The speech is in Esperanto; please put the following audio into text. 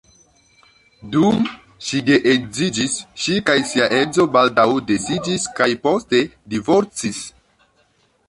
Dum ŝi geedziĝis, ŝi kaj sia edzo baldaŭ disiĝis kaj poste divorcis.